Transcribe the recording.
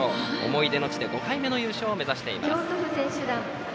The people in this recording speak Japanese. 思い出の地で５回目の優勝を目指しています。